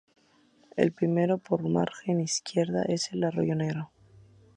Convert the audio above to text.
El primero por la margen izquierda es el arroyo Negro.